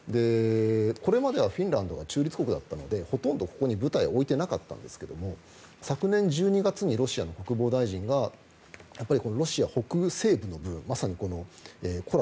これまではフィンランドが中立国だったのでほとんどここに部隊置いてなかったんですが昨年１２月にロシアの国防大臣がロシア北西部の部分コラ